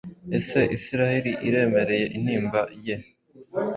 Ese Isiraheli iremereye intimba ye?